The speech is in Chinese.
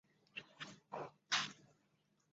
之后连任开封市第十三届人大常委会副主任。